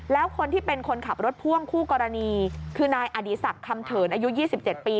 แล้วคนที่เป็นคนขับรถพ่วงคู่กรณีคือนายอดีศักดิ์คำเถินอายุ๒๗ปี